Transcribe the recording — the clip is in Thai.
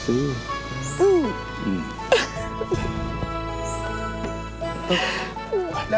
โอ้โฮ